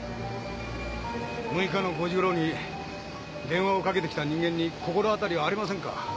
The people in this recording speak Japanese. ６日の５時頃に電話をかけてきた人間に心当たりはありませんか？